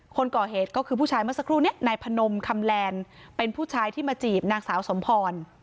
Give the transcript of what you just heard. คนก่อเหตุก็คือผู้ชายเมื่อสักครู่นี้นายพนมคำแลนด์เป็นผู้ชายที่มาจีบนางสาวสมพร